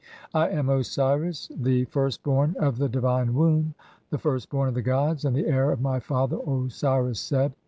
I am Osiris, the "first born of the divine womb, the first born of the gods, and "the heir of my father Osiris Seb(P).